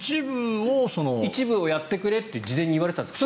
一部をやってくれと事前に言われてたんですか？